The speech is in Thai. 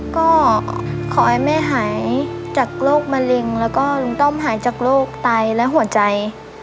ก็ขอให้แม่หายจากโรคมะเร็งแล้วก็ลุงต้อมหายจากโรคไตและหัวใจ